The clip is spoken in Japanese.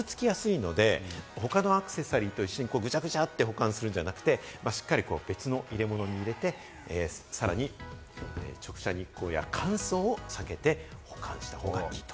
またこれ傷つきやすいので、他のアクセサリーとぐちゃぐちゃと保管するんじゃなくて、しっかり別の入れ物に入れて、さらに直射日光や乾燥を避けて保管した方がいいと。